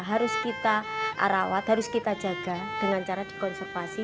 harus kita rawat harus kita jaga dengan cara dikonservasi